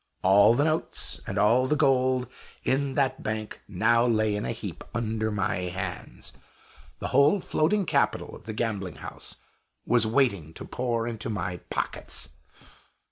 All the notes, and all the gold in that "bank," now lay in a heap under my hands; the whole floating capital of the gambling house was waiting to pour into my pockets!